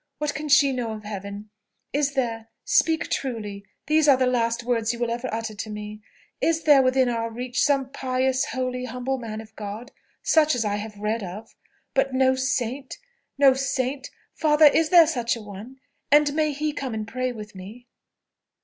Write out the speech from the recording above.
What can she know of Heaven? Is there speak truly, these are the last words you will ever utter to me is there within our reach some pious, holy, humble man of God, such as I have read of, but no saint, no saint? Father! is there such a one? and may he come and pray with me?"